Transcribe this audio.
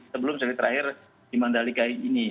sebelum seri terakhir di mandali kai ini